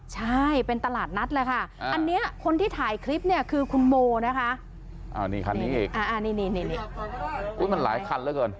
ใช่เป็นตลาดนัดเลยค่ะอ่าอันเนี้ยคนที่ถ่ายคลิปเนี้ยคือคุณโมนะคะอ่านี่คันนี้อีกอ่าอันนี้นี่นี่อุ๊ยมันหลายคันแล้วกัน